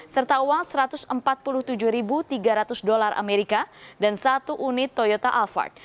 serta uang satu ratus empat puluh tujuh tiga ratus dolar amerika dan satu unit toyota alphard